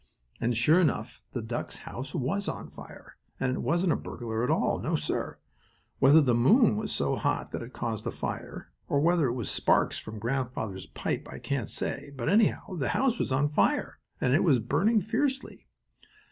And, sure enough, the ducks' house was on fire, and it wasn't a burglar at all; no sir! Whether the moon was so hot that it caused the fire, or whether it was sparks from grandfather's pipe, I can't say, but anyhow, the house was on fire, and it was burning fiercely.